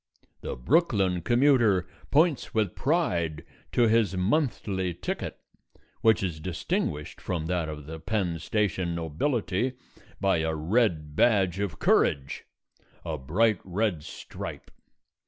The Brooklyn commuter points with pride to his monthly ticket, which is distinguished from that of the Penn Station nobility by a red badge of courage a bright red stripe.